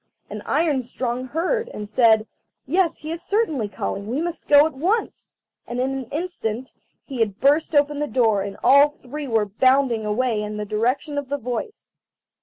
And Iron strong heard, and said: "Yes, he is certainly calling, we must go at once." And in an instant he had burst open the door, and all three were bounding away in the direction of the voice.